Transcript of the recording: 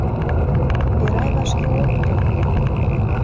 Эрай вашке ок тол!